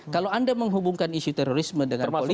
kalau anda menghubungkan isu terorisme dengan politik